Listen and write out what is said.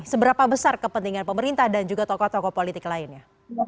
seberapa besar kepentingan pemerintah dan juga tokoh tokoh politik lainnya